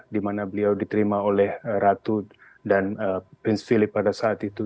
di mana beliau diterima oleh ratu dan prince philip pada saat itu